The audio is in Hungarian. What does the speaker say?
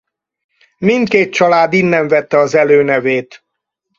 Mindkét család innen vette az előnevét.